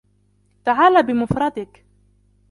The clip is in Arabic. تعالَ بمفردك.